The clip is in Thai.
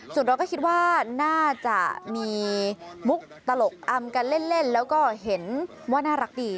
ส่วนเราก็คิดว่าน่าจะมีมุกตลกอำกันเล่นแล้วก็เห็นว่าน่ารักดี